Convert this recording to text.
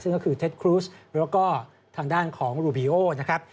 ซึ่งก็คือเท็จครูสแล้วก็ทางด้านของรูบีโอนะครับ